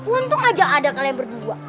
untung aja ada kalian berdua